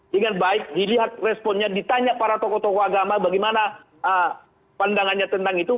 dengan baik dilihat responnya ditanya para tokoh tokoh agama bagaimana pandangannya tentang itu